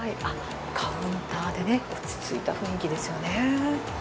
カウンターでね、落ち着いた雰囲気ですよね。